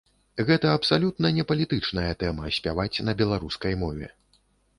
Гэта абсалютна не палітычная тэма, спяваць на беларускай мове.